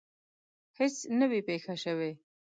هیڅ نه وي پېښه شوې.